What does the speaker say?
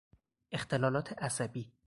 اختلالات عصبی